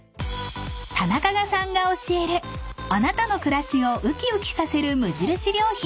［タナカガさんが教えるあなたの暮らしを浮き浮きさせる無印良品。